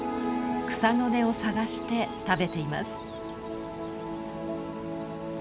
草の根を探して食べています。